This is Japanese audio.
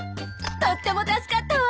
とっても助かったわ。